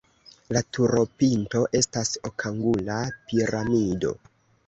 La turopinto estas okangula piramido.